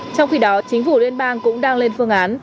trong khi đó chính phủ liên bang cũng đang lên phương án